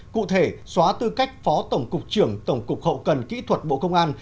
cụ thể xóa tư cách phó tổng cục trưởng tổng cục hậu cần kỹ thuật bộ công an